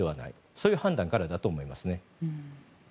そういう判断からだと思います。